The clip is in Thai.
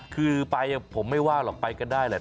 คือไปผมไม่ว่าหรอกไปกันได้แหละ